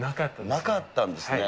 なかったですね。